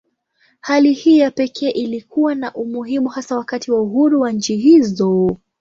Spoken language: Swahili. Hali hii ya pekee ilikuwa na umuhimu hasa wakati wa uhuru wa nchi hizo.